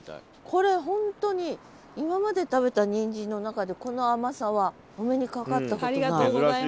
これ本当に今まで食べたにんじんの中でこの甘さはお目にかかったことない。